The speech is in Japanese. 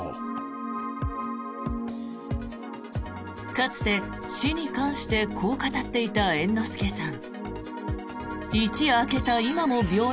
かつて、死に関してこう語っていた猿之助さん。